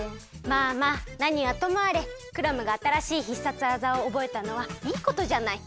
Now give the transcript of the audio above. まあまあなにはともあれクラムがあたらしい必殺技をおぼえたのはいいことじゃない。